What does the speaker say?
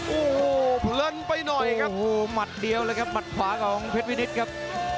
โอ้โหเพลินไปหน่อยครับโอ้โหหมัดเดียวเลยครับหมัดขวาของเพชรวินิตครับ